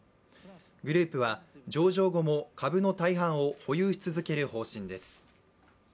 グループは上場後も株の大半を保有し続ける方針です。